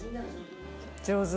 上手。